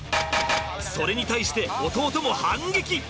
それに対して弟も反撃！